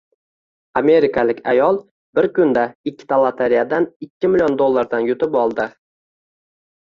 Amerikalik ayol bir kunda ikkita lotereyadanikkimln dollardan yutib oldi